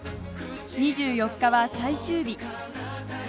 ２４日は最終日。